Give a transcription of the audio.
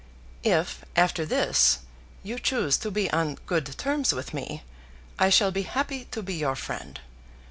If, after this, you choose to be on good terms with me, I shall be happy to be your friend.